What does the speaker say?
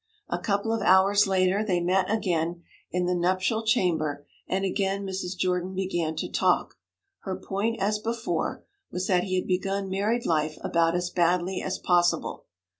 A couple of hours later they met again in the nuptial chamber, and again Mrs. Jordan began to talk. Her point, as before, was that he had begun married life about as badly as possible.